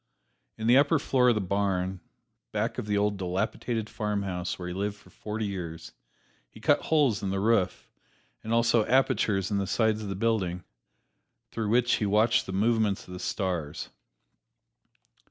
In the upper floor of the barn, back of the old dilapidated farmhouse where he lived for forty years, he cut holes in the roof, and also apertures in the sides of the building, through which he watched the movements of the stars.